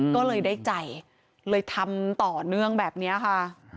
ก็เลยได้ใจเลยทำต่อเนื่องแบบนี้ค่ะ